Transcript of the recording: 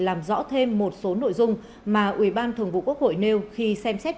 làm rõ thêm một số nội dung mà ủy ban thường vụ quốc hội nêu khi xem xét